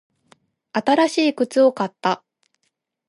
新しい靴を買った。